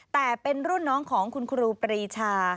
แต่เป็นรุ่นน้องของคุณครูปรีชา